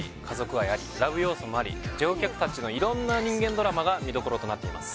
愛ありラブ要素もあり乗客達の色んな人間ドラマが見どころとなっています